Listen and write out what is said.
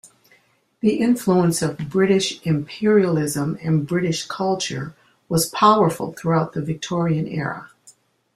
The influence of British imperialism and British culture was powerful throughout the Victorian era.